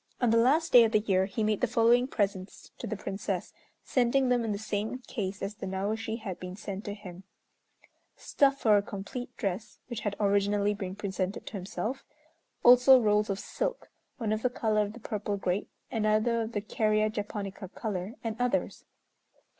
On the last day of the year he made the following presents to the Princess, sending them in the same case as the Naoshi had been sent to him: stuff for a complete dress, which had originally been presented to himself; also rolls of silk, one of the color of the purple grape, another of the Kerria japonica color, and others.